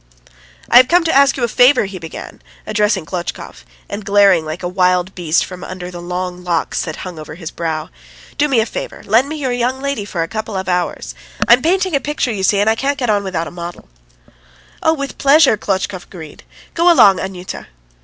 "I have come to ask you a favour," he began, addressing Klotchkov, and glaring like a wild beast from under the long locks that hung over his brow. "Do me a favour; lend me your young lady just for a couple of hours! I'm painting a picture, you see, and I can't get on without a model." "Oh, with pleasure," Klotchkov agreed. "Go along, Anyuta."